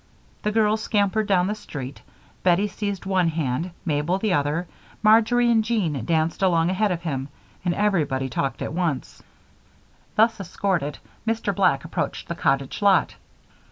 The girls scampered down the street. Bettie seized one hand, Mabel the other, Marjory and Jean danced along ahead of him, and everybody talked at once. Thus escorted, Mr. Black approached the cottage lot.